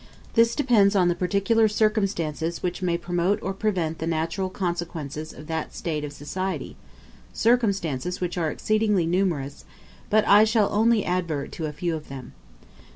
This depends on the particular circumstances which may promote or prevent the natural consequences of that state of society circumstances which are exceedingly numerous; but I shall only advert to a few of them.